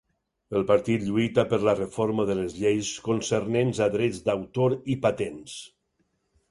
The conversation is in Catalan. El partit lluita per la reforma de les lleis concernents a drets d'autor i patents.